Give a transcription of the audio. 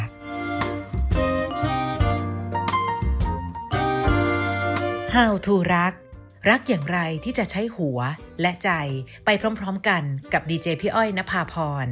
โปรดติดตามตอนต่อไป